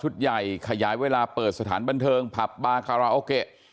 ชุดใหญ่ขยายเวลาเปิดสถานบรรเทิงภาพบาร์การาโอเกะ